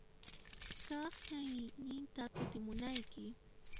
Kaq ñanninta kutimunayki.